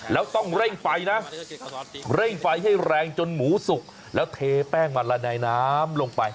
แล้วต้องเร่งไฟนะเร่งไฟให้แรงจนหมูสุกแล้วเทแป้งมันละนายน้ำลงไป